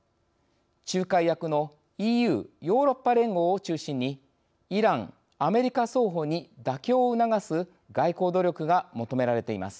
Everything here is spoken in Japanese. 仲介役のＥＵヨーロッパ連合を中心にイランアメリカ双方に妥協を促す外交努力が求められています。